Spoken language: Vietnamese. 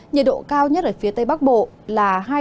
nhiệt độ cao nhất ở phía tây bắc bộ là hai mươi chín